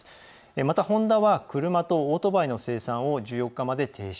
また、ホンダは車とオートバイの生産を１４日まで停止。